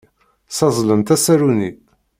Ssazzlent asaru-nni.